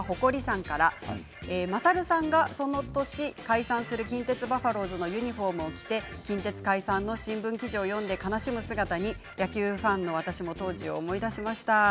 勝さんがその年、解散する近鉄バファローズのユニフォームを着て近鉄解散の新聞記事を読んで悲しむ姿に野球ファンの私も当時を思い出しました。